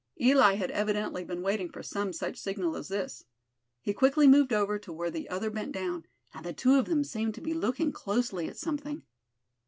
Eli had evidently been waiting for some such signal as this. He quickly moved over to where the other bent down; and the two of them seemed to be looking closely at something.